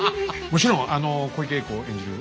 もちろん小池栄子演じる